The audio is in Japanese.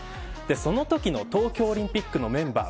そのときの東京オリンピックのメンバー